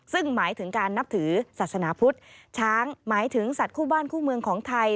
ซึ่งหมายถึงการนับถือศาสนาพุทธช้างหมายถึงสัตว์คู่บ้านคู่เมืองของไทย